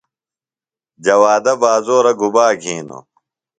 جوادہ بازورہ گُبا گِھینوۡ؟